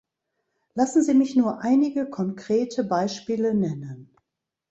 Lassen Sie mich nur einige konkrete Beispiele nennen.